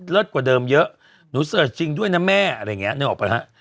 กว่าเดิมเยอะหนูเสิร์ชจริงด้วยนะแม่อะไรอย่างนี้นึกออกปะฮะ